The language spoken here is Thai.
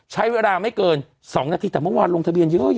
ใช้เวลาไม่เกิน๒นาทีแต่เมื่อวานลงทะเบียนเยอะ